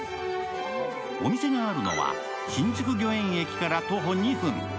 お店があるのは新宿御苑駅から徒歩２分。